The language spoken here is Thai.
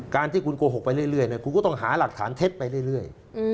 การที่คุณโกหกไปเรื่อยคุณก็ต้องหาหลักฐานเท็จไปเรื่อย